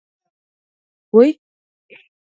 بزګر ډوډۍ د شخصي مصرف لپاره پخوي.